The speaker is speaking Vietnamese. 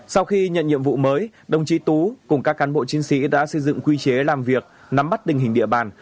sau khi nhận nhiệm vụ mới đồng chí tú cùng các cán bộ chiến sĩ đã xây dựng quy chế làm việc nắm bắt tình hình địa bàn